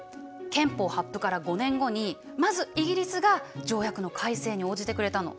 憲法発布から５年後にまずイギリスが条約の改正に応じてくれたの。